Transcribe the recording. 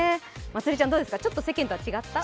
まつりちゃん、どうですかちょっと世間とは違った？